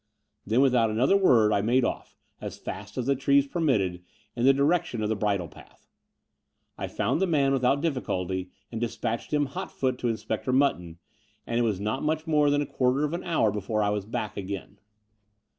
Then, without another word I made off, as fast as the trees permitted, in the direction of the bridle path. I found the man without diflBcolty and dis patched him hotfoot to Inspector Mutton ; and it was not much more than a quarter of an hour before I was back again.